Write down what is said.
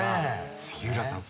杉浦さん